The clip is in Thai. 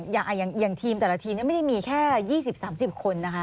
อย่างทีมแต่ละทีมไม่ได้มีแค่๒๐๓๐คนนะคะ